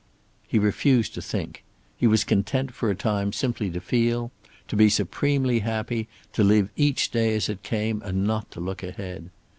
He refused to think. He was content for a time simply to feel, to be supremely happy, to live each day as it came and not to look ahead.